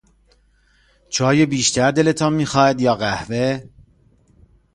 چای بیشتر دلتان میخواهد یا قهوه؟